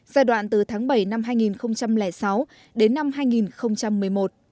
giai đoạn từ tháng bảy năm hai nghìn sáu đến năm hai nghìn một mươi một